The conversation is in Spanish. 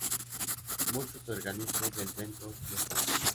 Muchos organismos del bentos lo son.